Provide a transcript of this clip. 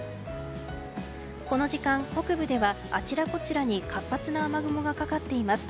この時間、北部ではあちらこちらに活発な雨雲がかかっています。